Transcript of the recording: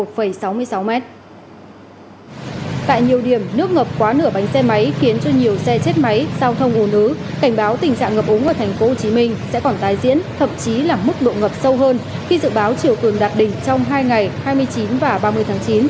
tại nhiều điểm nước ngập quá nửa bánh xe máy khiến cho nhiều xe chết máy giao thông ồn ứ cảnh báo tình trạng ngập ống ở thành phố hồ chí minh sẽ còn tái diễn thậm chí là mức độ ngập sâu hơn khi dự báo chiều cường đạt đỉnh trong hai ngày hai mươi chín và ba mươi tháng chín